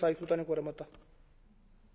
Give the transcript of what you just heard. これまた。